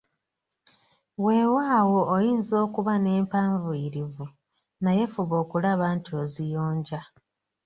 Weewaawo oyinza okuba nempanvuyirivu naye fuba okulaba nti oziyonja